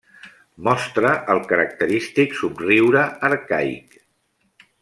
Mostra el característic somriure arcaic.